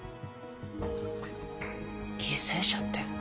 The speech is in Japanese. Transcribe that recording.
犠牲者って。